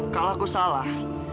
kalau aku salah